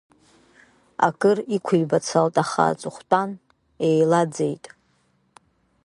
Акыр иқәибацалт, аха аҵыхәтәан еилаӡеит.